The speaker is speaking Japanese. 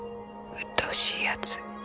うっとうしい奴。